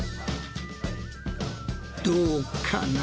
どうかな？